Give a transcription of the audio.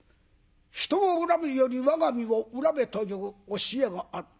人を恨むより我が身を恨めという教えがある。